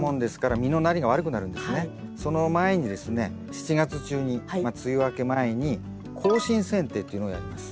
その前にですね７月中に梅雨明け前に更新剪定っていうのをやります。